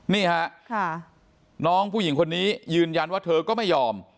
นี่ฮะน้องผู้หญิงคนนี้ยืนยันว่าเธอก็ไม่ยอม